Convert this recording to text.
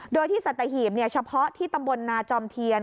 โดยที่สัตหีบเฉพาะที่ตำบลนาจอมเทียน